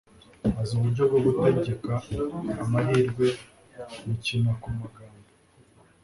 Azi uburyo bwo gutegeka amahirwe mukina kumagambo